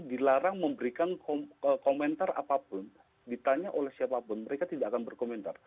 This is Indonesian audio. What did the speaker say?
dilarang memberikan komentar apapun ditanya oleh siapapun mereka tidak akan berkomentar